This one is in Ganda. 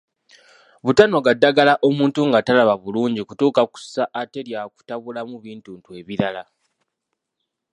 Butanoga ddagala omuntu nga talaba bulungi kutuuka ku ssa ate lya kutabulamu bintuntu ebirala.